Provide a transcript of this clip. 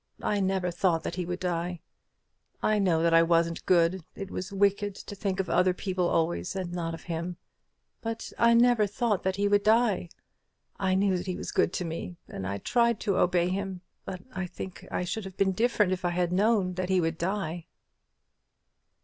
I never thought that he would die. I know that I wasn't good. It was wicked to think of other people always, and not of him; but I never thought that he would die. I knew that he was good to me; and I tried to obey him: but I think I should have been different if I had known that he would die."